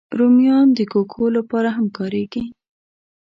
رومیان د کوکو لپاره هم کارېږي